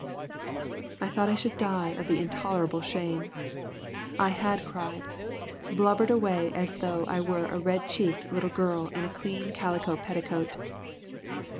I thought I should die of the intolerable shame. I had cried blubbered away as though I were a red cheeked little girl in a clean calico petticoat.